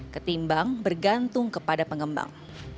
ketimbang bergantung kepada pengembang